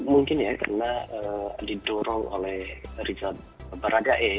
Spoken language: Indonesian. mungkin ya karena didorong oleh riza baradei